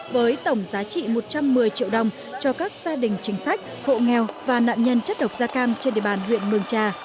với tổng giá trị một trăm một mươi triệu đồng cho các gia đình chính sách hộ nghèo và nạn nhân chất độc da cam trên địa bàn huyện mường trà